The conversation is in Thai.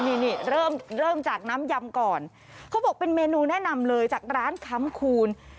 นี่นี่เริ่มเริ่มจากน้ำยำก่อนเขาบอกเป็นเมนูแนะนำเลยจากร้านค้ำคูณ